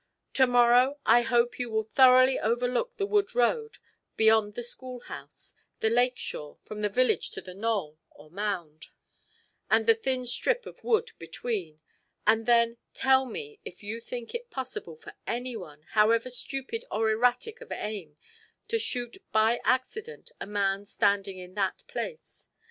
"To morrow I hope you will thoroughly overlook the wood road beyond the school house, the lake shore, from the village to the knoll or mound; and the thin strip of wood between, and then tell me if you think it possible for any one, however stupid or erratic of aim, to shoot by accident a man standing in that place.